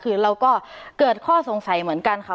คือเราก็เกิดข้อสงสัยเหมือนกันค่ะ